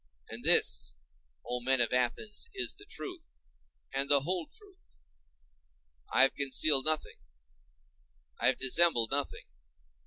And this, O men of Athens, is the truth and the whole truth; I have concealed nothing, I have dissembled nothing.